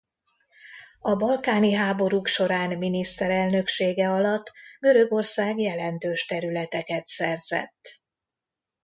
A balkáni háborúk során miniszterelnöksége alatt Görögország jelentős területeket szerzett.